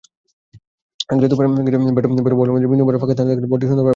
Bat ও বলের মধ্যে বিন্দুমাত্র ফাঁকা স্থান থাকলেই বলটি সুন্দরভাবে ফাঁক গলে উইকেটে আঘাত করবে।